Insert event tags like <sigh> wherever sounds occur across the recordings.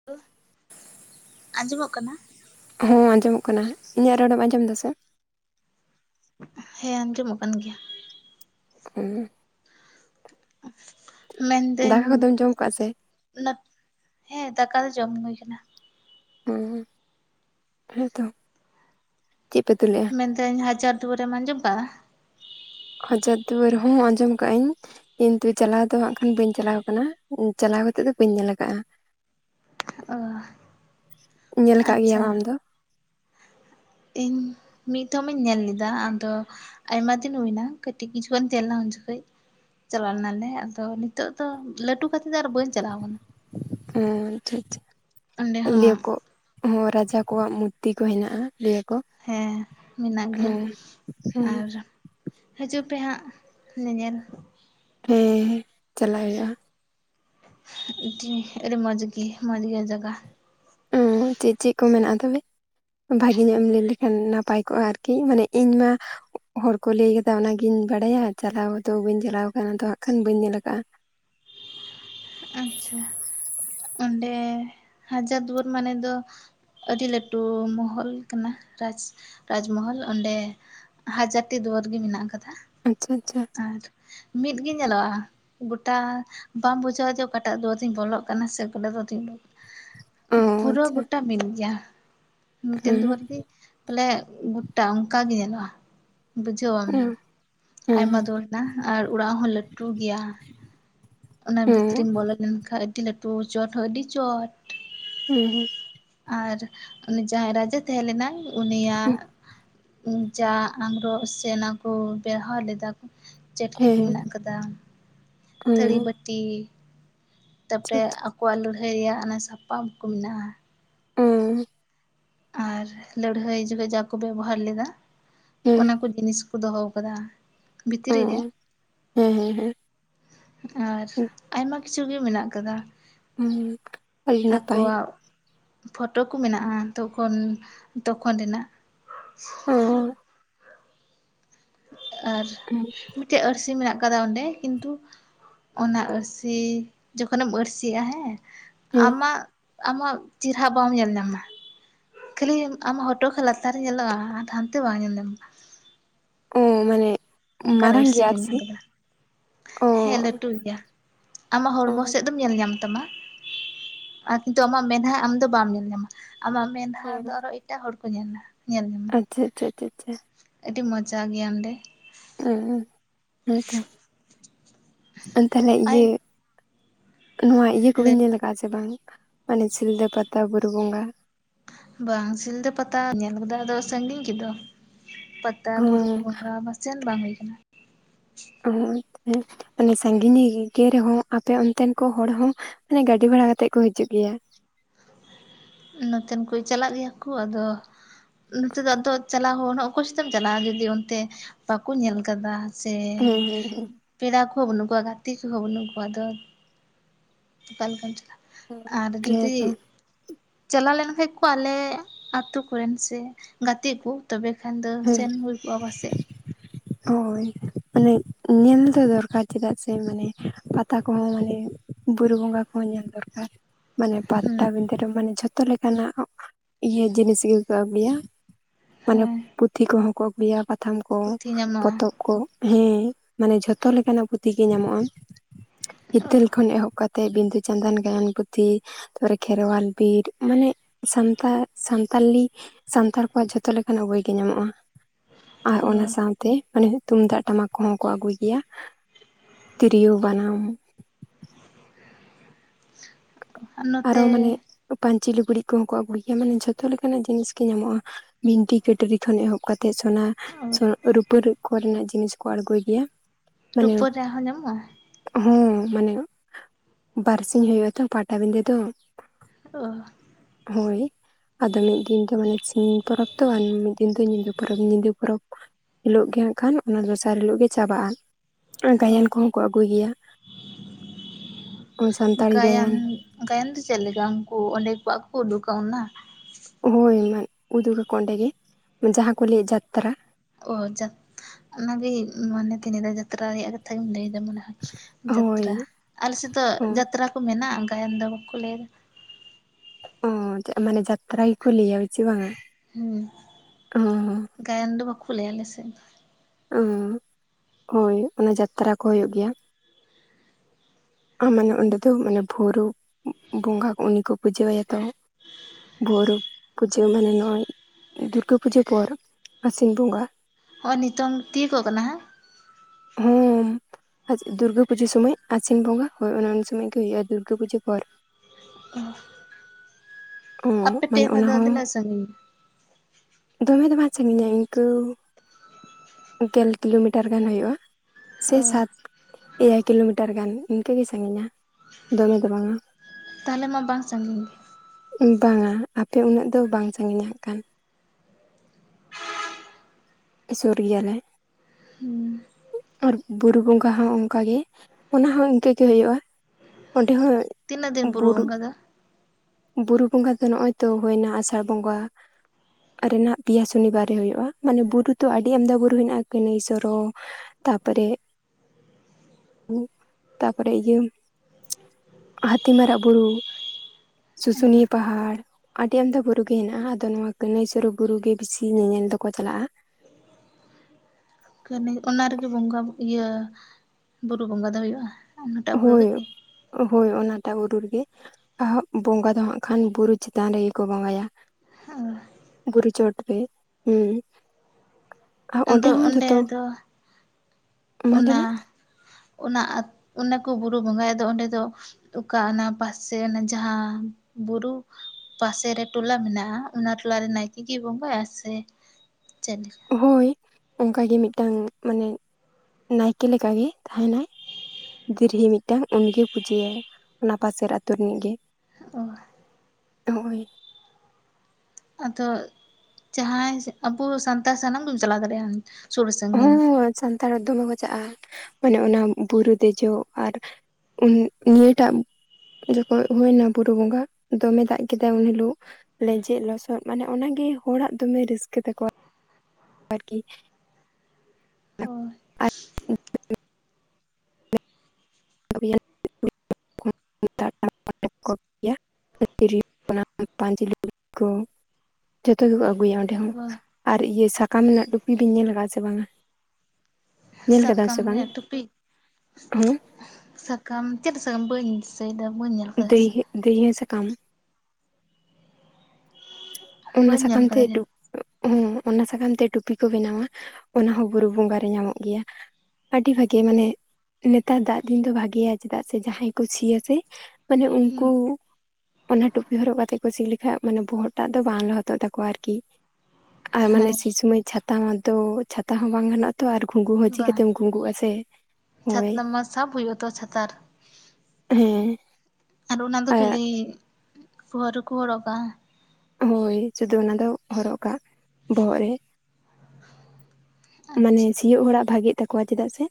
<unintelligible> ᱟᱸᱡᱚᱢᱚᱜ ᱠᱟᱱᱟ ᱦᱚᱸ ᱟᱸᱡᱚᱢᱚᱜ ᱠᱟᱱᱟ ᱤᱧᱟᱹᱜ ᱨᱚᱲᱮᱢ ᱟᱸᱡᱚᱢ ᱫᱟᱥᱮ ᱦᱮᱸ ᱟᱸᱡᱚᱢᱚᱜ ᱠᱟᱱ ᱜᱮᱭᱟ <unintelligible> ᱫᱟᱠᱟ ᱢᱮᱱᱫᱟᱹᱧ ᱠᱚᱫᱚᱢ ᱡᱚᱢ ᱠᱟᱜᱼᱟ ᱥᱮ <inaudible> ᱦᱮᱸ ᱫᱟᱠᱟ ᱫᱚ ᱡᱚᱢ ᱦᱩᱭ ᱠᱟᱱᱟ ᱦᱩ ᱦᱩ ᱦᱮᱸᱛᱚ ᱪᱮᱫ ᱯᱮ ᱩᱛᱩ ‌ᱞᱮᱜᱟ? ᱢᱮᱱᱫᱟᱹᱧ ᱦᱟᱡᱟᱨ ᱫᱩᱣᱟᱹᱨ ᱮᱢ ᱟᱸᱡᱚᱢ ᱠᱟᱜᱼᱟ ᱦᱟᱡᱟᱨ ᱫᱩᱣᱟᱹᱨ ᱦᱚᱸ ᱟᱸᱡᱚᱢ ᱠᱟᱜ ᱟᱹᱤᱧ ᱠᱤᱱᱛᱩ ᱪᱟᱞᱟᱣ ᱫᱚ ᱦᱟᱸᱜ ᱠᱷᱟᱱ ᱵᱟᱹᱧ ᱪᱟᱞᱟᱣ ᱠᱟᱱᱟ ᱪᱟᱞᱟᱣ ᱠᱟᱛᱮᱜ ᱫᱚ ᱵᱟᱹᱧ ᱧᱮᱞ ᱠᱟᱜᱼᱟ ᱚᱸ ᱧᱮᱞ ᱠᱟᱜ ᱜᱮᱭᱟᱢ ᱟᱢ ᱫᱚ ᱤᱧ ᱢᱤᱫ ᱫᱷᱟᱣ ᱤᱧ ᱧᱮᱞ ᱞᱮᱫᱟ ᱟᱫᱚ ᱟᱭᱢᱟ ᱫᱤᱱ ᱦᱩᱭᱱᱟ ᱠᱟᱹᱴᱤᱡ ᱠᱤᱪᱷᱩᱟᱱ ᱛᱟᱦᱮᱸ ᱞᱮᱱᱟ ᱩᱱ ᱡᱚᱠᱷᱚᱡ ᱪᱟᱞᱟᱣ ᱞᱮᱱᱟᱞᱮ ᱟᱫᱚ ᱱᱤᱛᱚᱜ ᱫᱚ ᱞᱟᱹᱴᱩ ᱫᱚ ᱟᱨ ᱵᱟᱹᱧ ᱪᱟᱞᱟᱣ ᱠᱟᱱᱟ ᱦᱚᱸ ᱟᱪᱪᱷᱟ ᱟᱪᱪᱷᱟ ᱚᱸᱰᱮ ᱞᱟᱹᱭ ᱦᱚᱸ ᱟᱠᱚ ᱦᱚᱸ ᱨᱟᱡᱟ ᱠᱚᱣᱟᱜ ᱢᱩᱨᱛᱤ ᱠᱚ ᱦᱮᱱᱟᱜᱼᱟ ᱞᱟᱹᱭ ᱟᱠᱚ ᱦᱮᱸ ᱢᱮᱱᱟᱜ ᱜᱮᱭᱟ ᱦᱚᱸ ᱟᱨ ᱦᱟᱹᱡᱩᱜ ᱯᱮ ᱦᱟᱸᱜ ᱧᱮᱧᱮᱞ ᱦᱮᱸ ᱪᱟᱞᱟᱜ ᱦᱳᱭᱳᱜᱼᱟ ᱟᱹᱰᱤ ᱟᱹᱰᱤ ᱢᱚᱡᱽ ᱜᱮ ᱢᱚᱡᱽ ᱜᱮᱭᱟ ᱡᱟᱜᱟ ᱚ ᱪᱮᱫ ᱪᱮᱫ ᱠᱚ ᱢᱮᱱᱟᱜᱼᱟ ᱛᱚᱵᱮ ᱵᱷᱟᱜᱤ ᱧᱚᱜ ᱮᱢ ᱞᱟᱹᱭ ᱞᱮᱠᱷᱟᱱ ᱱᱟᱯᱟᱭ ᱠᱚᱜᱼᱟ ᱟᱨᱠᱤ ᱢᱟᱱᱮ ᱤᱧᱢᱟ ᱦᱚᱲ ᱠᱩᱞᱤ ᱠᱟᱛᱮ ᱚᱱᱟᱜᱤᱧ ᱵᱟᱰᱟᱭᱟ ᱪᱟᱞᱟᱣ ᱫᱚ ᱵᱟᱹᱧ ᱪᱟᱞᱟᱣ ᱟᱠᱟᱱᱟ ᱛᱚ ᱦᱟᱸᱜ ᱠᱷᱟᱱ ᱵᱟᱹᱧ ᱧᱮᱞ ᱠᱟᱜᱼᱟ ᱟᱪᱪᱷᱟ <inaudible> ᱚᱸᱰᱮ ᱦᱟᱡᱟᱨ ᱫᱩᱣᱟᱹᱨ ᱢᱟᱱᱮ ᱫᱚ ᱟᱹᱰᱤ ᱞᱟᱹᱴᱩ ᱢᱚᱦᱚᱞ ᱠᱟᱱᱟ ᱨᱟᱡᱽ ᱨᱟᱡᱽ ᱢᱚᱦᱚᱞ ᱚᱸᱰᱮ ᱦᱟᱡᱟᱨ ᱴᱤ ᱫᱩᱣᱟᱹᱨ ᱜᱮ ᱢᱮᱱᱟᱜ ᱠᱟᱫᱟ ᱟᱪᱪᱷᱟ ᱟᱪᱪᱷᱟ ᱟᱨ ᱢᱤᱫ ᱜᱮ ᱧᱮᱞᱚᱜᱼᱟ ᱜᱚᱴᱟ ᱵᱟᱢ ᱵᱩᱡᱷᱟᱹᱣᱟ ᱡᱮ ᱚᱠ ᱚᱠᱟᱴᱟᱜ ᱫᱩᱣᱟᱹᱨ ᱛᱮᱧ ᱵᱚᱞᱚᱜ ᱠᱟᱱᱟ ᱥᱮ ᱚᱠᱟᱴᱟᱜ ᱫᱩᱣᱟᱹᱨ ᱛᱮᱧ ᱩᱰᱩᱠ ᱚ ᱯᱩᱨᱟᱹ ᱟᱪᱪᱷᱟ ᱜᱳᱴᱟ ᱢᱤᱫ ᱜᱮᱭᱟ ᱢᱤᱫᱴᱮᱱ ᱦᱮᱸ ᱫᱩᱣᱟᱹᱨ ᱜᱮ ᱵᱚᱞᱮ ᱜᱳᱴᱟ ᱚᱝᱠᱟ ᱜᱮ ᱧᱮᱞᱚᱜᱼᱟ ᱵᱩᱡᱷᱟᱹᱣ ᱵᱟᱢ ᱦᱮᱸ ᱧᱟᱢᱟ ᱟᱭᱢᱟ ᱦᱮᱸ ᱫᱩᱣᱟᱹᱨ ᱦᱮᱱᱟᱜ ᱟᱨ ᱚᱲᱟᱜ ᱦᱚᱸ ᱞᱟᱹᱴᱩ ᱜᱮᱭᱟ ᱚᱱᱟ ᱦᱮᱸ ᱵᱷᱤᱛᱨᱤᱢ ᱵᱚᱞᱚ ᱞᱮᱱᱠᱷᱟᱡ ᱟᱹᱰᱤ ᱞᱟᱹᱴᱩ ᱪᱚᱴ ᱦᱚᱸ ᱟᱹᱰᱤ ᱪᱚᱴ <inaudible> ᱦᱮᱸ ᱦᱮᱸ ᱟᱨ ᱩᱱᱤ ᱡᱟᱦᱟᱸᱭ ᱨᱟᱡᱟ ᱛᱮᱦᱮᱸ ᱞᱮᱱᱟᱭ ᱩᱱᱤᱭᱟᱜ ᱦᱮᱸ ᱡᱟ ᱟᱝᱜᱽᱨᱚᱵ ᱥᱮ ᱚᱱᱟ ᱠᱩ ᱵᱮᱣᱦᱟᱨ ᱞᱮᱫᱟ ᱠᱩ ᱪᱟᱹᱴᱠᱤ ᱠᱩ ᱦᱮᱸ ᱢᱮᱱᱟᱜ ᱟᱠᱟᱫᱟ ᱛᱷᱟᱹᱨᱤ ᱦᱮᱸ ᱵᱟᱹᱴᱤ ᱟᱪᱪᱷᱟ ᱛᱟᱯᱚᱨᱮ ᱟᱪᱪᱷᱟ ᱟᱠᱚᱣᱟᱜ ᱞᱟᱹᱲᱦᱟᱹᱭ ᱨᱮᱭᱟᱜ ᱚᱱᱟ ᱥᱟᱯᱟᱵ ᱠᱩ ᱢᱮᱱᱟᱜᱼᱟ᱾ <unintelligible> ᱟᱨ ᱞᱟᱹᱲᱦᱟᱹᱭ ᱡᱚᱠᱷᱮᱡ ᱡᱟ ᱠᱩ ᱵᱮᱵᱚᱦᱟᱨ ᱞᱮᱫᱟ ᱦᱮᱸ ᱚᱱᱟ ᱠᱩ ᱡᱤᱱᱤᱥ ᱠᱚ ᱫᱚᱦᱚ ᱟᱠᱟᱫᱟ ᱵᱷᱤᱛᱨᱤ ᱨᱮ ᱚᱸ ᱦᱮᱸ ᱦᱮᱸ ᱦᱮᱸ ᱟᱨ ᱟᱭᱢᱟ ᱠᱤᱪᱷᱩ ᱜᱮ ᱢᱮᱱᱟᱜ ᱟᱠᱟᱫᱟ ᱦᱩᱸ ᱦᱩᱸ ᱟᱠᱚᱣᱟᱜ ᱯᱷᱳᱴᱳ ᱠᱩ ᱢᱮᱱᱟᱜᱼᱟ ᱛᱚᱠᱷᱚᱱ ᱛᱚᱠᱷᱚᱱ ᱨᱮᱱᱟᱜ ᱚ ᱟᱨ ᱦᱮᱸ ᱢᱤᱫᱴᱮᱡ ᱟᱹᱨᱥᱤ ᱢᱮᱱᱟᱜ ᱟᱠᱟᱫᱟ ᱚᱸᱰᱮ ᱠᱤᱱᱛᱩ ᱚᱱᱟ ᱟᱹᱨᱥᱤ ᱡᱚᱠᱷᱚᱱᱮᱢ ᱟᱹᱨᱥᱤᱜᱼᱟ ᱦᱮᱸ ᱦᱮᱸ ᱟᱢᱟᱜ ᱟᱢᱟᱜ ᱪᱮᱨᱦᱟ ᱵᱟᱢ ᱧᱮᱞ ᱧᱟᱢᱟ ᱠᱷᱟᱹᱞᱤ ᱟᱢᱟᱜ ᱦᱚᱴᱳᱜ ᱠᱷᱚᱡ ᱞᱟᱛᱟᱨ ᱨᱮ ᱧᱮᱞᱚᱜᱼᱟ ᱟᱨ ᱦᱟᱱᱛᱮ ᱵᱟᱝ ᱧᱮᱞ ᱧᱟᱢᱚᱜᱼᱟ ᱚ ᱢᱟᱱᱮᱜ ᱚᱱᱠᱟᱱ ᱟᱹᱨᱥᱤ ᱢᱮᱱᱟᱜ ᱟᱠᱟᱫᱟ ᱚ ᱦᱮᱸ ᱞᱟᱹᱴᱩ ᱜᱮᱭᱟ ᱟᱢᱟᱜ ᱚ ᱦᱚᱲᱢᱚ ᱥᱮᱫ ᱧᱮᱞ ᱧᱟᱢ ᱛᱟᱢᱟ ᱟ ᱠᱤᱱᱛᱩ ᱟᱢᱟᱜ ᱢᱮᱸᱫᱦᱟ ᱟᱢ ᱫᱚ ᱵᱟᱢ ᱧᱮᱞ ᱧᱟᱢᱟ ᱟᱢᱟᱜ ᱢᱮᱫ ᱟᱫᱚ ᱟᱨᱦᱚ ᱮᱴᱟᱜ ᱦᱚᱲ ᱠᱚ ᱧᱮᱞᱟ ᱧᱮᱞ ᱧᱟᱢᱟ <unintelligible> ᱟᱹᱰᱤ ᱢᱚᱡᱟ ᱜᱮᱭᱟ ᱚᱸᱰᱮ ᱦᱚᱸ ᱦᱮᱠᱟ ᱟᱨ ᱛᱟᱦᱞᱮ ᱟᱭ ᱤᱭᱟᱹ ᱱᱚᱣᱟ ᱤᱭᱟᱹ ᱞᱮ ᱠᱚᱵᱤᱧ ᱧᱮᱞ ᱟᱠᱟᱫᱼᱟ ᱥᱮ ᱵᱟᱝ ᱢᱟᱱᱮ ᱥᱤᱞᱫᱟᱹ ᱯᱟᱛᱟ ᱵᱩᱨᱩ ᱵᱚᱸᱜᱟ ᱵᱟᱝ ᱥᱤᱞᱫᱟᱹ ᱯᱟᱛᱟ ᱧᱮᱞ ᱠᱚᱫᱚ ᱟᱫᱚ ᱥᱟᱺᱜᱤᱧ ᱜᱮᱫᱚ ᱯᱟᱛ ᱛᱟ ᱵᱩᱨᱩ ᱦᱮᱸ ᱵᱚᱸᱜᱟ ᱵᱟᱥᱮᱱ ᱵᱟᱝ ᱦᱩᱭ ᱠᱟᱱᱟ ᱦᱳᱭ ᱦᱚ ᱢᱟᱱᱮ ᱥᱟᱺᱜᱤᱧ ᱜᱮ ᱨᱮᱦᱚᱸ ᱟᱯᱮ ᱚᱱᱛᱮᱱ ᱠᱚ ᱦᱚᱲ ᱦᱚᱸ ᱢᱟᱱᱮ ᱜᱟᱹᱰᱤ ᱵᱷᱟᱲᱟ ᱠᱟᱛᱮᱜ ᱠᱩ ᱦᱤᱡᱩᱜ ᱜᱮᱭᱟ ᱱᱚᱛᱮᱱ ᱠᱩ ᱪᱟᱞᱟᱜ ᱜᱮᱭᱟ ᱠᱩ ᱟᱫᱚ ᱱᱚᱛᱮ ᱫᱚ ᱟᱫᱚ ᱪᱟᱞᱟᱣ ᱦᱚ ᱩᱱᱟᱹᱜ ᱚᱠᱚᱭ ᱥᱟᱛᱮᱢ ᱪᱟᱞᱟᱜᱼᱟ ᱡᱩᱫᱤ ᱚᱱᱛᱮ ᱵᱟᱹᱠᱩ ᱧᱮᱞ ᱠᱟᱫᱟ ᱥᱮ ᱦᱮᱸ ᱦᱮᱸ ᱯᱮᱲᱟ ᱠᱩᱦᱚᱸ ᱵᱟᱹᱱᱩᱜ ᱠᱚᱣᱟ ᱜᱟᱛᱮ ᱠᱩᱦᱚᱸ ᱵᱟᱹᱱᱩᱜ ᱠᱚᱣᱟ ᱟᱫᱚ ᱚᱠᱟᱞᱮᱠᱟᱢ ᱪᱟᱞᱟᱜᱼᱟ ᱟᱨ ᱦᱮᱸ ᱡᱩᱫᱤ ᱛᱚ ᱪᱟᱞᱟᱣ ᱞᱮᱱ ᱠᱷᱟᱡ ᱠᱩ ᱟᱞᱮ ᱟᱹᱛᱩ ᱠᱚᱨᱮᱱ ᱥᱮ ᱜᱟᱛᱮ ᱠᱩ ᱛᱚᱵᱮ ᱠᱷᱟᱱ ᱫᱚ ᱦᱮᱸ ᱥᱮᱱ ᱦᱩᱭ ᱠᱚᱜᱼᱟ ᱯᱟᱥᱮᱜ ᱦᱳᱭ ᱢᱟᱱᱮᱜ ᱧᱮᱞ ᱫᱚ ᱫᱚᱨᱠᱟᱨ ᱪᱮᱫᱟᱜ ᱥᱮ ᱢᱟᱱᱮ ᱯᱟᱛᱟ ᱠᱚᱦᱚᱸ ᱢᱟᱱᱮ ᱵᱩᱨᱩ ᱵᱚᱸᱜᱟ ᱠᱚᱦᱚᱸ ᱧᱮᱞ ᱫᱚᱨᱠᱟᱨ ᱢᱟᱱᱮ ᱦᱩᱸ ᱯᱟᱛᱟᱵᱤᱸᱫᱷᱟᱹ ᱫᱚ ᱢᱟᱱᱮ ᱡᱷᱚᱛᱚ ᱞᱮᱠᱟᱱᱟᱜ ᱚᱸᱜ ᱤᱭᱟᱹ ᱡᱤᱱᱤᱥ ᱜᱮ ᱠᱚ ᱟᱹᱜᱩᱭᱟ ᱾ ᱢᱟᱱᱮ ᱦᱮᱸ ᱯᱩᱛᱷᱤ ᱠᱚᱦᱚᱸ ᱠᱚ ᱟᱹᱜᱩᱭᱟ ᱯᱟᱛᱷᱟᱢ ᱠᱚ ᱯᱩᱛᱷᱤ ᱧᱟᱢᱚᱜᱼᱟ ᱯᱚᱛᱚᱵ ᱠᱚ ᱦᱮᱸ ᱢᱟᱱᱮ ᱡᱷᱚᱛᱚ ᱞᱮᱠᱟᱱᱟᱜ ᱯᱩᱛᱷᱤ ᱜᱮ ᱧᱟᱢᱚᱜᱼᱟ ᱦᱤᱛᱟᱹᱞ ᱚ ᱠᱷᱚᱱ ᱮᱦᱚᱵ ᱠᱟᱛ ᱛᱮᱫ ᱵᱤᱱᱫᱩ ᱪᱟᱸᱫᱟᱱ ᱜᱟᱭᱟᱱ ᱯᱩᱛᱷᱤ ᱛᱟᱯᱚᱨᱮ ᱠᱷᱮᱨᱣᱟᱞ ᱵᱤᱨ ᱢᱟᱱᱮ ᱥᱟᱱᱛᱟ ᱥᱟᱱᱛᱟᱞᱤ ᱥᱟᱱᱛᱟᱲ ᱠᱚᱣᱟᱜ ᱡᱷᱚᱛᱚ ᱞᱮᱠᱟᱱᱟᱜ ᱵᱚᱭ ᱜᱮ ᱧᱟᱢᱚᱜᱼᱟ ᱟᱨ ᱚᱱᱟ ᱦᱳᱭ ᱥᱟᱶ ᱛᱮ ᱢᱟᱱᱮ ᱛᱩᱢᱫᱟᱜ ᱴᱟᱢᱟᱠ ᱠᱚᱦᱚᱸ ᱠᱚ ᱟᱹᱜᱩᱭ ᱜᱮᱭᱟ ᱛᱤᱨᱭᱳ ᱵᱟᱱᱟᱢ <inaudible> ᱟᱨᱚ ᱱᱚᱛᱮ ᱢᱟᱱᱮ ᱯᱟᱹᱧᱪᱤ ᱞᱩᱜᱽᱲᱤᱡ ᱠᱚᱦᱚᱸ ᱠᱚ ᱟᱹᱜᱩᱭ ᱜᱮᱭᱟ ᱢᱟᱱᱮ ᱡᱷᱚᱛᱚ ᱞᱮᱠᱟᱱᱟᱜ ᱡᱤᱱᱤᱥ ᱜᱮ ᱧᱟᱢᱚᱜᱼᱟ᱾ ᱵᱤᱱᱴᱤ ᱠᱟᱹᱴᱟᱹᱨᱤ ᱠᱷᱚᱱ ᱮᱦᱚᱵ ᱠᱟᱛᱮᱫ ᱥᱚᱱᱟ, ᱚ ᱨᱩᱯᱟᱹ ᱠᱚᱨᱮᱱᱟᱜ ᱡᱤᱱᱤᱥ ᱠᱚ ᱟᱬᱜᱚᱭ ᱜᱮᱭᱟ᱾ ᱢᱟᱱᱮ ᱨᱩᱯᱟᱹ ᱨᱮᱭᱟᱜ ᱦᱚᱸ ᱧᱟᱢᱚᱜᱼᱟ? ᱦᱚᱸ ᱢᱟᱱᱮ ᱵᱟᱨᱥᱤᱧ ᱦᱩᱭᱩᱜ ᱟᱛᱚ ᱯᱟᱴᱟᱵᱤᱫᱟᱹ ᱫᱚ ᱚ ᱦᱳᱭ ᱟᱫᱚ ᱢᱤᱫ ᱫᱤᱱ ᱛᱮ ᱢᱟᱱᱮ ᱥᱤᱧ ᱯᱚᱨᱚᱵᱽ ᱛᱚ ᱟᱨ ᱢᱤᱫ ᱫᱤᱱ ᱫᱚ ᱧᱤᱫᱟᱹ ᱯᱚᱨᱚᱵᱽ ᱧᱤᱫᱟᱹ ᱯᱚᱨᱚᱵᱽ᱾ ᱦᱤᱞᱚᱜ ᱜᱮ ᱦᱟᱸᱜ ᱠᱷᱟᱱ ᱚᱱᱟ ᱫᱚᱥᱟᱨ ᱦᱤᱞᱚᱜ ᱜᱮ ᱪᱟᱵᱟᱜᱼᱟ᱾ ᱚ ᱜᱟᱭᱟᱱ ᱠᱚᱦᱚᱸ ᱠᱚ ᱟᱹᱜᱩᱭ ᱜᱮᱭᱟ᱾ ᱥᱟᱱᱛᱟᱲᱤ ᱜᱟᱭᱟᱱ᱾ ᱜᱟᱭᱟᱱ ᱫᱚ ᱪᱮᱫ ᱞᱮᱠᱟ ᱩᱱᱠᱩ ᱚᱸᱰᱮ ᱠᱚ <unintelligible> ᱠᱚ ᱩᱰᱩᱠᱟ ᱚᱱᱟ? ᱦᱚᱭ ᱢᱟᱱ ᱩᱫᱩᱜᱟᱠᱚ ᱚᱸᱰᱮ ᱜᱮ ᱡᱟᱦᱟᱸ ᱠᱚ ᱞᱟᱹᱭ ᱡᱟᱛᱨᱟ᱾ ᱚ ᱡᱟᱛ ᱚᱱᱟᱜᱮ ᱢᱟᱱᱮ ᱛᱤᱧ ᱞᱟᱹᱭ ᱫᱚ ᱡᱟᱛᱨᱟ ᱨᱮᱭᱟᱜ ᱠᱟᱛᱷᱟ ᱜᱮᱤᱢ ᱞᱟᱹᱭ ᱫᱟ ᱢᱚᱱᱮ ᱦᱚᱭ᱾ ᱡᱟᱛᱨᱟ ᱦᱳᱭ ᱟᱞᱮ ᱥᱮᱫ ᱫᱚ ᱡᱟᱛᱨᱟ ᱠᱚ ᱢᱮᱱᱟᱜᱼᱟ ᱜᱟᱭᱟᱱ ᱫᱚ ᱵᱟᱠᱚ ᱞᱟᱹᱭᱫᱟ᱾ ᱚ ᱢᱟᱱᱮ ᱡᱟᱛᱨᱟ ᱜᱮᱠᱚ ᱞᱟᱹᱭᱟ ᱵᱝ ᱪᱮ ᱵᱟᱝᱟ? ᱦᱩᱸ ᱜᱟᱭᱟᱱ ᱫᱚ ᱵᱟᱠᱚ ᱞᱟᱹᱭᱟ ᱟᱞᱮ ᱥᱮᱫ ᱫᱚ᱾ ᱚ ᱦᱚᱭ ᱚᱱᱟ ᱡᱟᱛᱨᱟ ᱠᱚ ᱦᱩᱭᱩᱜ ᱜᱮᱭᱟ᱾ ᱟᱨ ᱢᱟᱱᱮ ᱚᱸᱰᱮ ᱫᱚ ᱢᱟᱱᱮ ᱵᱷᱳᱨᱳ ᱵᱚᱸᱜᱟ ᱩᱱᱤ ᱠᱚ ᱯᱩᱡᱟᱹ ᱟᱭᱟ ᱛᱚ᱾ ᱵᱳᱨ ᱯᱩᱡᱟᱹ ᱢᱟᱱᱮ ᱱᱚᱜᱼᱚᱭ ᱫᱩᱨᱜᱟᱹ ᱯᱩᱡᱟᱹ ᱯᱚᱨ ᱟᱥᱤᱱ ᱵᱚᱸᱜᱟ᱾ ᱦᱚᱜᱼᱚᱭ ᱱᱤᱛᱚᱝ ᱛᱤ ᱠᱚᱜ ᱠᱟᱱᱟ ᱦᱟᱜ ᱦᱩᱸ ᱫᱩᱨᱜᱟᱹ ᱯᱩᱡᱟᱹ ᱥᱚᱢᱚᱭ ᱟᱹᱥᱤᱱ ᱵᱚᱸᱜᱟ ᱦᱚᱭ ᱚᱱᱟ ᱩᱱ ᱥᱚᱢᱚᱭ ᱜᱮ ᱦᱩᱭᱩᱜᱼᱟ ᱫᱩᱨᱜᱟᱹ ᱯᱩᱡᱟᱹ ᱯᱚᱨ᱾ <inaudible> ᱚ ᱟᱯᱮ ᱴᱷᱮᱡ ᱢᱟᱱᱮ ᱠᱷᱚᱡ ᱚᱱᱟ ᱫᱚ ᱦᱚᱸ ᱛᱤᱱᱟᱹᱜ ᱥᱟᱺᱜᱤᱧ ᱫᱚᱢᱮ ᱫ ᱵᱟᱝ ᱥᱟᱺᱟᱹᱜᱤᱧᱟ ᱤᱱᱠᱟᱹ ᱜᱮᱞ ᱠᱤᱞᱳᱢᱤᱴᱟᱨ ᱜᱟᱱ ᱦᱩᱭᱩᱜᱼᱟ ᱥᱮ ᱚ ᱥᱟᱛ ᱮᱭᱟᱭ ᱠᱤᱞᱳᱢᱤᱴᱟᱨ ᱜᱟᱱ ᱤᱱᱠᱟᱹᱜᱮ ᱥᱟᱺᱜᱤᱧᱟ ᱫᱚᱢᱮ ᱫᱚ ᱵᱟᱝᱼᱟ ᱛᱟᱦᱚᱞᱮ ᱢᱟ ᱵᱟᱝ ᱥᱟᱺᱜᱤᱧ ᱜᱮ᱾ ᱵᱟᱝᱟ ᱟᱯᱮ ᱩᱱᱟᱹᱜ ᱫᱚ ᱵᱟᱝ ᱥᱟᱺᱜᱤᱧᱟ ᱠᱟᱱ᱾ ᱥᱩᱨ ᱜᱮᱭᱟᱞᱮ ᱦᱩᱸ ᱟᱨ ᱵᱩᱨᱩ ᱵᱚᱸᱜᱟ ᱦᱚᱸ ᱚᱱᱠᱟᱜᱮ ᱚᱱᱟ ᱦᱚᱸ ᱤᱱᱠᱟᱹ ᱜᱮ ᱦᱩᱭᱩᱜᱼᱟ᱾ ᱚᱸᱰᱮ ᱦᱚᱸ ᱛᱤᱱᱟᱹᱜ ᱫᱤᱱ ᱵᱩᱨᱩ ᱵᱚᱸᱜᱟ ᱫᱚ ᱵᱩᱨᱩ ᱵᱚᱸᱜᱟ ᱫᱚ ᱱᱚᱜᱚᱭ ᱛᱚ ᱦᱩᱭᱮᱱᱟ ᱟᱥᱟᱲ ᱵᱚᱸᱜᱟ ᱨᱮᱱᱟᱜ ᱯᱮᱭᱟ ᱥᱚᱱᱤᱵᱟᱨ ᱨᱮ ᱦᱩᱭᱩᱜᱼᱟ ᱢᱟᱱᱮ ᱵᱩᱨᱩ ᱛᱚ ᱟᱹᱰᱤ ᱟᱢᱫᱟ ᱵᱩᱨᱩ ᱦᱮᱱᱟᱜᱼᱟ ᱠᱟᱹᱱᱟᱹᱭ ᱥᱚᱨᱚ ᱛᱟᱯᱚᱨᱮ ᱛᱟᱯᱚᱨᱮ ᱤᱭᱟᱹ ᱦᱟᱹᱛᱤᱢᱟᱨᱟ ᱵᱩᱨᱩ᱾ ᱥᱩᱥᱩᱱᱤᱭᱟᱹ ᱯᱟᱦᱟᱲ ᱟᱹᱰᱤ ᱟᱢᱫᱟ ᱵᱩᱨᱩ ᱜᱮ ᱦᱮᱱᱟᱜᱼᱟ ᱟᱫᱚ ᱱᱚᱣᱟ ᱠᱟᱹᱱᱟᱹᱭ ᱥᱩᱨᱩ ᱵᱩᱨᱩ ᱜᱮ ᱵᱤᱥᱤ ᱧᱮᱧᱮᱞ ᱫᱚᱠᱚ ᱪᱟᱞᱟᱜᱼᱟ᱾ ᱠᱟᱹᱱᱟᱹᱭ ᱚᱱᱟ ᱨᱮᱜᱮ ᱵᱚᱸᱜᱟ ᱤᱭᱟᱹ ᱵᱩᱨᱩ ᱵᱚᱸᱜᱟ ᱫᱚ ᱦᱩᱭᱩᱜᱼᱟ? ᱚᱱᱟᱴᱟᱜ ᱵᱩᱨᱩ ᱦᱚᱭ ᱨᱮᱜᱮ ᱦᱚᱭ ᱚᱱᱟᱴᱟᱜ ᱵᱩᱨᱩ ᱨᱮᱜᱮ᱾ ᱟᱨ ᱵᱚᱸᱜᱟ ᱫᱚ ᱦᱟᱸᱜ ᱠᱷᱟᱱ ᱵᱩᱨᱩ ᱪᱮᱛᱟᱱ ᱨᱮᱜᱮ ᱠᱚ ᱵᱚᱸᱜᱟᱭᱟ᱾ ᱦᱮᱸ ᱵᱩᱨᱩ ᱪᱚᱴ ᱨᱮ ᱦᱩᱸ ᱟᱨ ᱟᱫᱚ ᱦᱚᱸ ᱚᱸᱰᱮ ᱡᱷᱚᱛᱚ ᱫᱚ ᱢᱟ ᱞᱟᱹᱭ ᱚᱱᱟ ᱢᱮ ᱚᱱᱟ ᱚᱱᱟᱠᱚ ᱵᱩᱨᱩ ᱵᱚᱸᱜᱟᱭ ᱫᱚ ᱚᱸᱰᱮ ᱫᱚ ᱚᱠᱟ ᱚᱱᱟ ᱯᱟᱥᱮ ᱚᱱᱟ ᱡᱟᱦᱟᱸ ᱵᱩᱨᱩ ᱯᱟᱥᱮ ᱨᱮ ᱴᱚᱞᱟ ᱢᱮᱱᱟᱜᱼᱟ ᱚᱱᱟ ᱴᱚᱞᱟ ᱨᱮᱱ ᱱᱟᱭᱠᱮ ᱠᱤ ᱵᱚᱸᱜᱟᱭᱟ ᱥᱮ ᱪᱮᱫ? ᱦᱚᱭ ᱚᱱᱠᱟ ᱜᱮ ᱢᱤᱫᱴᱟᱝ ᱢᱟᱱᱮ ᱱᱟᱭᱠᱮ ᱞᱮᱠᱟ ᱜᱮ ᱛᱟᱦᱮᱱᱟᱭ ᱾ ᱫᱤᱨᱦᱤ ᱢᱤᱫᱴᱟᱱ ᱩᱱᱤᱜᱮᱭ ᱯᱩᱡᱟᱹᱭᱟᱭ, ᱚᱱᱟ ᱯᱟᱥᱮᱨ ᱟᱛᱳ ᱨᱤᱱᱤᱡ ᱜᱮ᱾ ᱚ <unintelligible> ᱟᱫᱚ ᱡᱟᱦᱟᱸᱭ ᱟᱵᱚ ᱥᱟᱱᱛᱟᱲ ᱥᱟᱱᱟᱢ ᱵᱚᱱ ᱪᱟᱞᱟᱣ ᱫᱟᱲᱮᱭᱟᱜᱼᱟ ᱥᱩᱨ ᱥᱟᱺᱜᱤᱧ᱾ ᱛᱟᱨ ᱫᱚᱢᱮ ᱢᱚᱡᱟᱜᱼᱟ ᱚᱱᱮ ᱚᱱᱟ ᱵᱩᱨᱩ ᱫᱮᱡᱚᱜ, ᱟᱨ ᱩᱸ ᱱᱤᱭᱟᱹ ᱴᱟᱜ ᱡᱚᱠᱷᱚᱡ ᱦᱩᱭᱱᱟ ᱵᱩᱨᱩ ᱵᱚᱸᱜᱟ, ᱫᱚᱢᱮᱭ ᱫᱟᱜ ᱠᱮᱫᱟ ᱩᱱ ᱦᱤᱞᱚᱜ᱾ ᱞᱮᱸᱡᱮᱡ ᱞᱚᱥᱚᱫ ᱢᱟᱱᱮ ᱚᱱᱟᱜᱮ ᱦᱚᱲᱟᱜ ᱫᱚᱢᱮ ᱨᱟᱹᱥᱠᱟᱹ ᱛᱟᱠᱚ᱾ ᱟᱨᱠᱤ ᱦᱚᱭ᱾ ᱟᱨ <inaudible> <inaudible> ᱯᱟᱹᱧᱪᱤ ᱞᱩᱜᱲᱤ ᱠᱚ ᱡᱚᱛᱚ ᱜᱮᱠᱚ ᱟᱹᱜᱩᱭᱟ ᱚᱸᱰᱮ ᱦᱚᱸ ᱟᱨ ᱤᱭᱟᱹ ᱥᱟᱠᱟᱢ ᱨᱮᱱᱟᱜ ᱴᱩᱯᱤ ᱵᱤᱱ ᱧᱮᱞ ᱠᱟᱜ-ᱟ ᱥᱮ ᱵᱟᱝ-ᱟ? ᱧᱮᱞ ᱠᱟᱫᱟᱢ ᱥᱟᱠᱟᱢ ᱥᱮ ᱵᱟᱝ ᱨᱮᱭᱟᱜ ᱴᱩᱯᱤ? ᱦᱮᱸ ᱥᱟᱠ ᱠᱟᱢ ᱪᱮᱫ ᱥᱟᱠᱟᱢ ᱵᱟᱹᱧ ᱫᱤᱥᱟᱹᱭᱫᱟ, ᱵᱟᱹᱧ ᱧᱮᱞ ᱟᱠᱟᱫᱟ ᱫᱟᱹᱭᱦᱟᱹᱜ, ᱫᱟᱹᱭᱦᱟᱹ ᱥᱟᱠᱟᱢ᱾ ᱚᱱᱟ ᱵᱟᱹᱧ ᱧᱮᱞ ᱥᱟᱠᱟᱢ ᱛᱮ ᱟᱠᱟᱫᱟ ᱴᱩ ᱡᱟᱹᱱᱤᱡ ᱦᱩᱸ ᱚᱱᱟ ᱥᱟᱠᱟᱢ ᱛᱮ ᱴᱩᱯᱤ ᱠᱚ ᱵᱮᱱᱟᱣ ᱟ ᱾ ᱚᱱᱟ ᱦᱚᱸ ᱵᱩᱨᱩ ᱵᱚᱸᱜᱟ ᱨᱮ ᱧᱟᱢᱚᱜ ᱜᱮᱭᱟ ᱟᱰᱤ ᱵᱷᱟᱜᱮ ᱢᱟᱱᱮ ᱱᱮᱛᱟᱨ ᱫᱟᱜᱽ ᱫᱤᱱ ᱫᱚ ᱵᱷᱟᱜᱮᱭᱟ ᱪᱮᱫᱟᱜ ᱥᱮ ᱡᱟᱦᱟᱸᱭ ᱠᱚ ᱥᱤᱭᱟ ᱥᱮ ᱚᱱᱮ ᱦᱩᱸ ᱩᱱᱠᱩ ᱚᱱᱟ ᱴᱩᱯᱤ ᱦᱚᱨᱚᱜ ᱠᱟᱛᱮ ᱠᱚ ᱥᱤ ᱞᱮᱠᱷᱟᱡ ᱢᱟᱱᱮ ᱵᱚᱦᱚᱜ ᱴᱟᱜ ᱫᱚ ᱵᱟᱝ ᱞᱚᱦᱚᱛᱚᱜ ᱛᱟᱠᱚᱣᱟ ᱟᱨᱠᱤ ᱟᱨ ᱢᱟᱱᱮ ᱦᱮᱸ ᱥᱤ ᱥᱩᱢᱟᱹᱭ ᱪᱷᱟ ᱛᱟᱝ-ᱟ ᱛᱳ ᱪᱷᱟᱛᱟ ᱦᱚᱸ ᱵᱟᱝ ᱜᱟᱱᱚᱜ-ᱟ ᱛᱚ ᱟᱨ ᱜᱷᱸᱜᱩ ᱦᱚᱸ ᱵᱟᱝ ᱪᱤᱠᱟᱹᱛᱮᱢ ᱜᱷᱸᱜᱩᱜ-ᱟ ᱥᱮ? ᱦᱳᱭ ᱪᱷᱟᱛᱟ ᱢᱟ ᱥᱟᱵ ᱦᱩᱭᱩᱜᱼᱟ ᱛᱚ ᱪᱷᱟᱛᱟᱨ ᱦᱮᱸ ᱟᱨ ᱚᱱᱟ ᱫᱚ ᱠᱷᱟᱹᱞᱤ ᱵᱚᱦᱚᱜ ᱨᱮᱠᱚ ᱦᱚᱨᱚᱜᱠᱟᱜ-ᱟ? ᱦᱳᱭ ᱥᱩᱫᱩ ᱚᱱᱟ ᱫᱚ ᱦᱚᱨᱚᱜ ᱠᱟᱜ ᱵᱚᱦᱚᱜ ᱨᱮ᱾ ᱢᱟᱱᱮ ᱟᱪᱪᱷᱟ ᱥᱤᱭᱳᱜ ᱦᱚᱲᱟᱜ ᱵᱷᱟᱜᱮᱜ ᱛᱮᱠᱚᱣᱟ ᱪᱤᱫᱟᱜ ᱥᱮ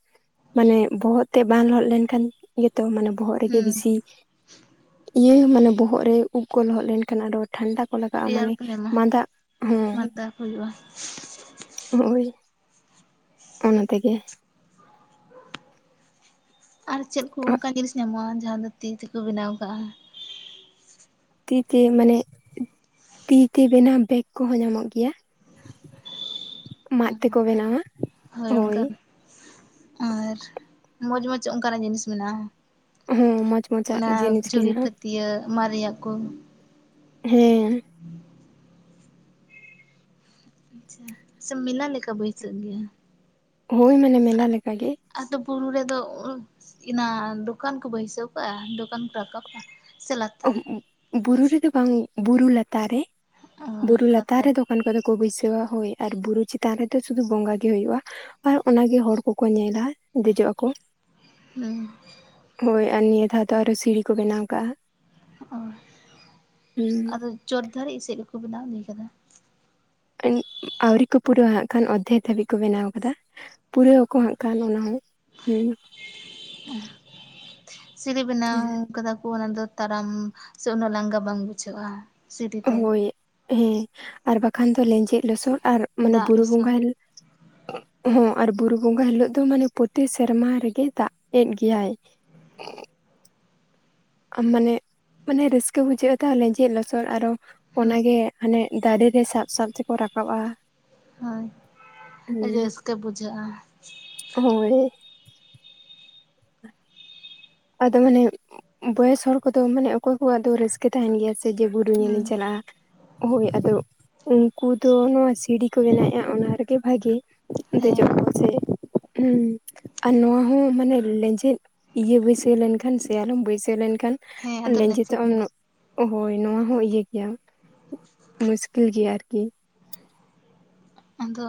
ᱢᱟᱱᱮ ᱵᱚᱦᱚᱜ ᱛᱮ ᱵᱟᱝ ᱞᱚᱦᱚᱫ ᱞᱮᱱ ᱠᱷᱟᱱ ᱜᱮᱛᱚ ᱢᱟᱱᱮ ᱵᱚᱦᱚᱜ ᱨᱮᱜᱮ ᱦᱩᱸ ᱵᱮᱥᱤ ᱤᱭᱟᱹ ᱢᱟᱱᱮ ᱵᱚᱦᱚᱜ ᱨᱮ ᱩᱵ ᱠᱚ ᱞᱚᱦᱚᱜ ᱞᱮᱱᱠᱷᱟᱱ ᱟᱫᱚ ᱴᱷᱟᱱᱰᱟ ᱠᱚ ᱞᱟᱜᱟᱜᱼᱟ ᱢᱟᱱᱮ ᱨᱮᱭᱟᱲ ᱠᱚ ᱧᱟᱢᱟ ᱢᱟᱫᱟᱜ ᱦᱚᱸ, ᱢᱟᱫᱟ ᱠᱚ ᱦᱩᱭᱩᱜᱼᱟ ᱦᱳᱭ᱾ ᱚᱱᱟ ᱛᱮᱜᱮ ᱟᱨ ᱪᱮᱫ ᱠᱚ ᱚᱝᱠᱟ ᱡᱤᱱᱤᱥ ᱧᱟᱢᱚᱜᱼᱟ? ᱡᱟᱸᱦᱟ ᱫᱚ ᱛᱤ ᱛᱮᱠᱚ ᱵᱤᱱᱟᱣ ᱠᱟᱜᱼᱟ᱾ ᱛᱤᱛᱮ ᱢᱟᱱᱮ ᱛᱤᱛᱮ ᱵᱮᱱᱟᱣ ᱵᱮᱜᱽ ᱠᱚᱦᱚ ᱧᱟᱢᱚᱜ ᱜᱮᱭᱟ ᱢᱟᱜ ᱛᱮᱠᱚ ᱵᱮᱱᱟᱣ-ᱟ᱾ ᱦᱳᱭ ᱚᱠᱟᱱ ᱟᱨ ᱢᱚᱡᱽ ᱢᱚᱡᱽ ᱚᱝᱠᱟᱱᱟᱜ ᱡᱤᱱᱤᱥ ᱢᱮᱱᱟᱜᱼᱟ᱾ ᱦᱩᱸ ᱢᱚᱪ ᱢᱚᱪᱟᱜ ᱡᱤᱱᱤᱥ ᱜᱤ ᱦᱮᱸᱱᱟᱜᱼᱟ᱾ ᱛᱤᱭᱟᱹ ᱢᱟᱜ ᱨᱮᱭᱟᱜ ᱠᱚ ᱦᱮᱸ ᱟᱪᱷᱟ᱾ ᱥᱮ ᱢᱤᱞᱟ ᱞᱮᱠᱟ ᱵᱟᱹᱭᱥᱟᱹᱜ ᱜᱮᱭᱟ? ᱦᱳᱭ ᱢᱟᱱᱮ ᱢᱮᱞᱟ ᱞᱮᱠᱟᱜ ᱜᱮ ᱟᱫᱚ ᱵᱩᱨᱩ ᱨᱮᱫᱚ ᱚ ᱤᱱᱟ ᱫᱩᱠᱟᱱ ᱠᱚ ᱵᱟᱹᱭᱥᱟᱹᱣ ᱠᱟᱜᱼᱟ, ᱫᱚᱠᱟᱱ ᱠᱚ ᱨᱟᱠᱟᱵᱼᱟ ᱥᱮ ᱞᱟᱠ ᱵᱩᱨᱩ ᱨᱮᱫᱚ ᱵᱟᱝ ᱵᱩᱨᱩ ᱞᱟᱛᱟᱨ ᱨᱮ ᱵᱩᱨᱩ ᱞᱟᱛᱟᱨ ᱨᱮ ᱫᱚ ᱠᱟᱱ ᱠᱚᱫᱚ ᱠᱚ ᱵᱟᱹᱭᱥᱟᱹᱣᱟ, ᱦᱳᱭ ᱟᱨ ᱵᱩᱨᱩ ᱪᱮᱛᱟᱱ ᱨᱮᱫᱚ ᱥᱩᱫᱩ ᱵᱚᱸᱜᱟ ᱜᱮ ᱦᱩᱭᱩᱜᱼᱟ᱾ ᱟᱨ ᱟᱱᱟᱜᱮ ᱦᱚᱲ ᱠᱚᱠᱚ ᱧᱮᱞᱟ ᱫᱮᱡᱚᱜ ᱟᱠᱚ ᱦᱩᱸ᱾ ᱦᱳᱭ ᱟᱨ ᱱᱤᱭᱟᱹ ᱫᱷᱟᱣ ᱫᱚ ᱟᱨᱚ ᱥᱤᱲᱤ ᱠᱚ ᱵᱮᱱᱟᱣ ᱠᱟᱜᱼᱟ᱾ ᱚ ᱦᱩᱸ ᱟᱫᱚ ᱪᱚᱴ ᱫᱷᱟᱨᱤᱡ ᱥᱮᱜ ᱜᱮᱠᱚ ᱵᱮᱱᱟᱣ ᱤᱫᱤ ᱠᱟᱫᱟ? ᱟᱹᱣᱨᱤ ᱠᱚ ᱯᱩᱨᱟᱹᱣᱟ ᱦᱟᱸᱜᱠᱷᱟᱱ ᱚᱨᱫᱷᱮᱠ ᱫᱷᱟᱹᱵᱤᱡ ᱠᱚ ᱵᱮᱱᱟᱣ ᱠᱟᱫᱟ᱾ ᱯᱩᱨᱟᱹᱣ ᱟᱠᱚ ᱦᱟᱸᱜ ᱠᱷᱟᱱ ᱚᱱᱟ ᱦᱚᱸ, ᱦᱩᱸ ᱥᱤᱲᱤ ᱵᱮᱱᱟᱣ ᱠᱟᱫᱟ ᱠᱚ ᱚᱱᱟ ᱫᱚ ᱛᱟᱨᱟᱢ ᱥᱮ ᱩᱱᱟᱹᱜ ᱞᱟᱸᱜᱟ ᱵᱟᱝ ᱵᱩᱡᱷᱟᱹᱜᱼᱟ ᱥᱤᱲᱤ ᱛᱮ ᱦᱳᱭ ᱦᱮᱸ ᱟᱨ ᱵᱟᱠᱷᱟᱱ ᱫᱚ ᱞᱮᱸᱡᱮᱫ ᱞᱚᱥᱚᱫ ᱟᱨ ᱢᱟᱱᱮ ᱫᱟᱜ ᱵᱩᱨᱩ ᱞᱚᱥᱚᱫ ᱵᱚᱸᱜᱟᱼᱼ ᱦᱚᱸ ᱟᱨ ᱵᱩᱨᱩ ᱵᱚᱸᱜᱟ ᱦᱤᱞᱟᱹᱜ ᱫᱚ ᱢᱟᱱᱮ ᱯᱚᱛᱤ ᱥᱮᱨᱢᱟ ᱨᱮᱜᱮ ᱫᱟᱜᱽ ᱮᱫ ᱜᱮᱭᱟᱭ <unintelligible> ᱟᱢ ᱢᱟᱱᱮ ᱢᱟᱱᱮ ᱨᱟᱹᱥᱠᱟᱹ ᱵᱩᱡᱷᱟᱹᱜᱼᱟ ᱛᱟᱦᱚ ᱞᱮᱸᱡᱮᱫ ᱞᱚᱥᱚᱫ ᱟᱨᱚ ᱦᱩᱸ ᱚᱱᱟᱜᱮ ᱦᱟᱱᱮ ᱫᱟᱨᱮ ᱨᱮ ᱥᱟᱵ ᱥᱟᱵ ᱛᱮᱠᱚ ᱨᱟᱠᱟᱵᱼᱟ ᱦᱳᱭ ᱦᱩᱸ ᱨᱟᱹᱥᱠᱟᱹ ᱵᱩᱡᱷᱟᱹᱜᱼᱟ ᱦᱳᱭ ᱟᱫᱚ ᱢᱟᱱᱮ ᱵᱚᱭᱮᱥ ᱦᱚᱲ ᱠᱚᱫᱚ ᱢᱟᱱᱮ ᱚᱠᱚᱭ ᱠᱚᱣᱟᱜ ᱫᱚ ᱨᱟᱹᱥᱠᱟᱹ ᱛᱟᱦᱮᱱ ᱜᱮᱭᱟ ᱥᱮ ᱡᱮ ᱵᱩᱨᱩ ᱦᱩᱸ ᱧᱮᱞᱤᱧ ᱪᱟᱞᱟᱜᱼᱟ ᱦᱳᱭ ᱟᱫᱚ ᱩᱱᱠᱩ ᱫᱚ ᱱᱚᱣᱟ ᱥᱤᱰᱤ ᱠᱚ ᱵᱮᱱᱟᱣᱮᱫᱼᱟ ᱚᱱᱟ ᱨᱮᱜᱮ ᱵᱷᱟᱜᱮ ᱫᱮᱡᱚᱜ ᱦᱮᱸ ᱠᱚ ᱪᱮ <unintelligible> ᱟᱨ ᱱᱚᱣᱟ ᱦᱚᱸ ᱢᱟᱱᱮ ᱞᱮᱸᱡᱮᱫ ᱤᱭᱟᱹ ᱵᱟᱹᱭᱥᱟᱹ <unintelligible> ᱞᱮᱱᱠᱷᱟᱱ ᱥᱮᱭᱟᱞᱚᱢ ᱵᱟᱹᱭᱥᱟᱹᱣ ᱞᱮᱱᱠᱷᱟᱱ ᱦᱮᱸ ᱟᱫᱚ ᱞᱮᱸᱡᱮᱫᱚᱜ ᱞᱮᱸᱡᱮᱫ ᱟᱢ ᱫᱚ ᱦᱳᱭ ᱱᱚᱣᱟ ᱦᱚᱸ ᱤᱭᱟᱹ ᱜᱮᱭᱟ ᱢᱩᱥᱠᱤᱞ ᱜᱮᱭᱟ ᱟᱨᱠᱤ ᱟᱫᱚ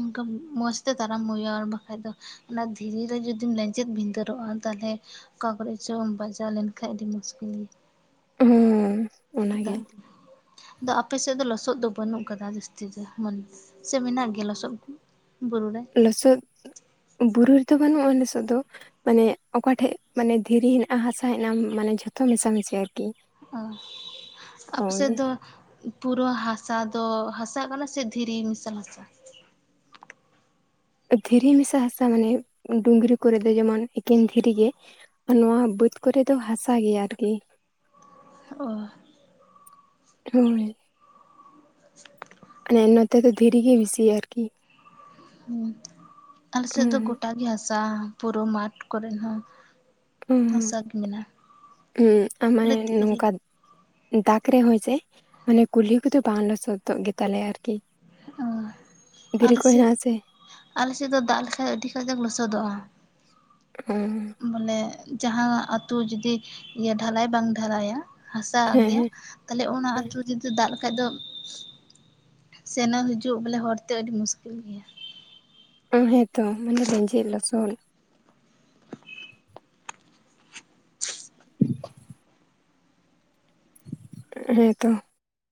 ᱚᱱᱠᱟ ᱢᱚᱡᱽ ᱛᱮ ᱛᱟᱨᱟᱢ ᱦᱩᱭᱩᱜᱼᱟ ᱟᱨ ᱵᱟᱠᱷᱟᱡ ᱫᱚ ᱚᱱᱟ ᱫᱷᱤᱨᱤ ᱨᱮ ᱡᱩᱫᱤᱢ ᱞᱮᱸᱡᱮᱫ ᱵᱷᱤᱫᱟᱹᱲᱚᱜᱼᱟ ᱛᱟᱦᱚᱞᱮ ᱚᱠᱟ ᱠᱚᱨᱮ ᱪᱚᱢ ᱵᱟᱡᱟᱣ ᱞᱮᱱᱠᱷᱟᱱ ᱟᱹᱰᱤ ᱢᱩᱥᱠᱤᱞ ᱜᱮᱭᱟ ᱦᱩᱸ <unintelligible> ᱫᱟᱜ ᱫᱤᱱ ᱟᱫᱚ ᱟᱯᱮ ᱥᱮᱫ ᱫᱚ ᱞᱚᱥᱚᱫ ᱫᱚ ᱵᱟᱹᱱᱩᱜ ᱠᱟᱫᱟ ᱡᱟᱹᱥᱛᱤ ᱫᱚ ᱢᱟᱱᱮ ᱥᱮ ᱢᱮᱱᱟᱜ ᱜᱮᱭᱟ ᱞᱚᱥᱚᱫ ᱠᱚ ᱵᱩᱨᱩ ᱨᱮ ᱞᱚᱥᱚᱫ ᱵᱩᱨᱩ ᱨᱮᱫᱚ ᱵᱟᱹᱱᱩᱜᱼᱟ ᱞᱚᱥᱚᱫ ᱫᱚ ᱢᱟᱱᱮ ᱚᱠᱟᱴᱷᱮᱡ ᱢᱟᱱᱮ ᱫᱷᱤᱨᱤ ᱦᱮᱱᱟᱜᱼᱟ ᱦᱟᱥᱟ ᱦᱮᱱᱟᱜᱼᱟ ᱢᱟᱱᱮ ᱡᱷᱚᱛᱚ ᱢᱮᱥᱟ ᱢᱮᱥᱤ ᱟᱨᱠᱤ ᱚ <inaudible> ᱟᱯᱮ ᱥᱮᱫ ᱦᱳᱭ ᱫᱚ ᱯᱩᱨᱟᱹ ᱦᱟᱥᱟ ᱫᱚ ᱦᱟᱥᱟ ᱠᱟᱱᱟ ᱥᱮ ᱫᱷᱤᱨᱤ ᱢᱮᱥᱟᱞ ᱦᱟᱥᱟ ᱫᱷᱤᱨᱤ ᱢᱮᱥᱟ ᱦᱟᱥᱟ ᱢᱟᱱᱮ ᱰᱩᱝᱨᱤ ᱠᱚᱨᱮ ᱫᱚ ᱡᱮᱢᱚᱱ ᱮᱠᱮᱱ ᱫᱷᱤᱨᱤ ᱜᱮ ᱱᱚᱣᱟ ᱵᱟᱹᱫᱽ ᱠᱚᱨᱮ ᱫᱚ ᱦᱟᱥᱟ ᱜᱮᱭᱟ ᱟᱨᱠᱤ ᱚ ᱦᱳᱭ ᱱᱮ ᱱᱚᱛᱮ ᱫᱚ ᱫᱷᱤᱨᱤ ᱜᱮ ᱵᱮᱥᱤᱭᱟ ᱟᱨᱠᱤ <inaudible> ᱟᱞᱮ ᱥᱮᱫ ᱫᱚ ᱜᱚᱴᱟ ᱜᱮ ᱦᱟᱥᱟ ᱯᱩᱨᱟᱹ ᱢᱟᱴᱷ ᱠᱚᱨᱮ ᱦᱚᱸ <inaudible> ᱦᱟᱥᱟ ᱜᱮ ᱢᱮᱱᱟᱜᱼᱟ <unintelligible> ᱢᱟᱱᱮ ᱟᱞᱮ ᱫᱷᱤᱨᱤ ᱱᱚᱝᱠᱟ ᱫᱟᱜ ᱨᱮᱦᱚᱸᱭ ᱡᱮ ᱢᱟᱱᱮ ᱠᱩᱞᱦᱤ ᱠᱚᱫᱚ ᱵᱟᱝ ᱞᱚᱥᱚᱫᱚᱜ ᱜᱮᱛᱟ ᱞᱮᱭᱟ ᱟᱨᱠᱤ ᱦᱳᱭ <inaudible> ᱫᱷᱤᱨᱤ ᱟᱞᱮ ᱠᱚ ᱦᱮᱱᱟᱜ ᱟᱥᱮ ᱥᱮᱫᱼᱟᱞᱮ ᱥᱮᱫ ᱫᱚ ᱫᱟᱜ ᱞᱮᱠᱷᱟᱡ ᱟᱹᱰᱤ ᱠᱟᱡᱟᱠ ᱞᱚᱥᱚᱫᱚᱜᱼᱟ᱾ <unintelligible> ᱵᱚᱞᱮ ᱡᱟᱦᱟᱸ ᱟᱹᱛᱳ ᱡᱩᱫᱤ ᱤᱭᱟᱹ ᱰᱷᱟᱞᱟᱭ ᱵᱟᱝ ᱰᱷᱟᱞᱟᱭᱟ ᱦᱟᱥᱟ ᱦᱮᱸ ᱜᱮᱭᱟ ᱛᱟᱦᱞᱮ ᱚᱱᱟ ᱟᱹᱛᱩ ᱡᱩᱫᱤ ᱫᱟᱜ ᱞᱮᱠᱷᱟᱡ ᱫᱚ ᱥᱮᱱᱚᱜ ᱦᱤᱡᱩᱜ ᱵᱚᱞᱮ ᱦᱚᱨᱛᱮ ᱟᱹᱰᱤ ᱢᱩᱥᱠᱤᱞ ᱜᱮᱭᱟ ᱚ ᱦᱮᱸᱛᱚ ᱢᱟᱱᱮ ᱞᱮᱸᱡᱮᱫ ᱞᱚᱥᱚᱫ <inaudible> ᱦᱮᱸᱛᱚ